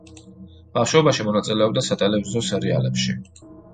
ბავშვობაში მონაწილეობდა სატელევიზიო სერიალებში.